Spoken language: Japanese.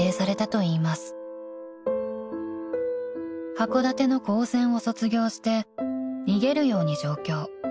［函館の高専を卒業して逃げるように上京］